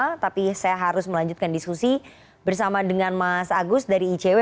tapi saya harus melanjutkan diskusi bersama dengan mas agus dari icw